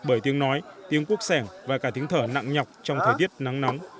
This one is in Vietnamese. bởi tiếng nói tiếng quốc sẻng và cả tiếng thở nặng nhọc trong thời tiết nắng nóng